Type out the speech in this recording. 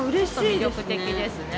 魅力的ですね。